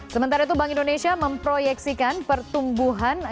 sementara itu bank indonesia memproyeksikan pertumbuhan